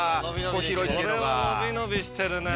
これは伸び伸びしてるね。